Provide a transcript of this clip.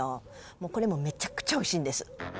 もう、これもめちゃくちゃおいしいんです。